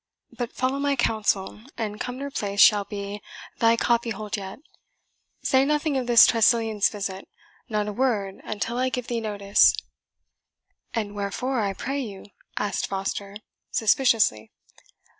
But follow my counsel, and Cumnor Place shall be thy copyhold yet. Say nothing of this Tressilian's visit not a word until I give thee notice." "And wherefore, I pray you?" asked Foster, suspiciously.